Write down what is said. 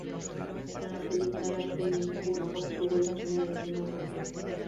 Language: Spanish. Con la película "Swimming pool" obtuvo el Premio de Cine Europeo.